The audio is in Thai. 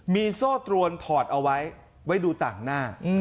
มีโซ่ตรวนถอดเอาไว้ไว้ดูต่างหน้า